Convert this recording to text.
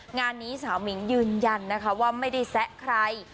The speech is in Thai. งานนี้สาวมิงยืนยันนะคะว่าไม่ได้แซะใคร